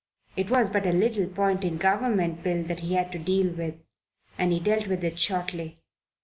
It was but a little point in a Government Bill that he had to deal with, and he dealt with it shortly.